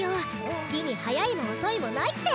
好きに早いも遅いもないって！